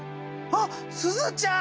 あっすずちゃん！